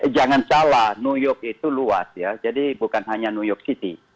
jangan salah new york itu luas ya jadi bukan hanya new york city